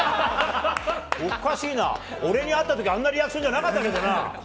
おかしいな、俺に会った時、あんなリアクションじゃなかったけどな。